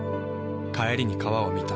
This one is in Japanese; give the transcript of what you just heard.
帰りに川を見た。